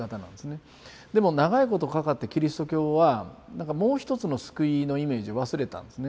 でも長いことかかってキリスト教はなんかもう一つの救いのイメージを忘れたんですね